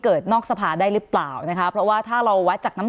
นอกสภาได้หรือเปล่านะคะเพราะว่าถ้าเราวัดจากน้ำ